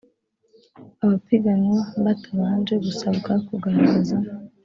abapiganwa batabanje gusabwa kugaragaza